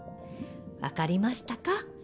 分かりましたか？